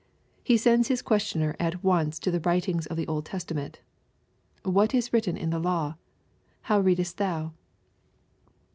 He sends his questioner at once to the writings of the Old Testament :" What is written in the law ? How readest thou